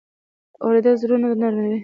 اورېدل زړونه نرمه وي.